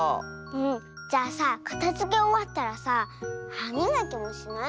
じゃあさかたづけおわったらさはみがきもしない？